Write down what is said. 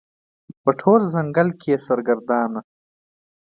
په ټول ځنګل کې یې سرګردانه